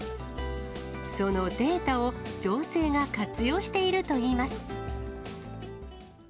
そのデータを行政が活用しているといいます。